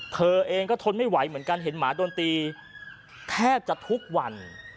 เธอเองก็ทนไม่ไหวเหมือนกันเห็นหมาโดนตีแทบจะทุกวัน